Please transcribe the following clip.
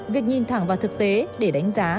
việc nhìn thẳng vào thực tế để đánh giá